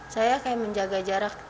saya kayak menjaga jarak